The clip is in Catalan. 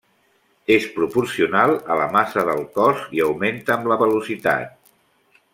És proporcional a la massa del cos i augmenta amb la velocitat.